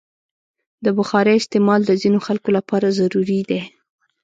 د بخارۍ استعمال د ځینو خلکو لپاره ضروري دی.